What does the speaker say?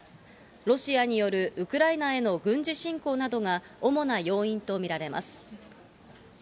ロシアによるウクライナへの軍事侵攻などが、主な要因と見られます。